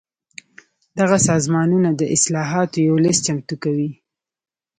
دغه سازمانونه د اصلاحاتو یو لېست چمتو کوي.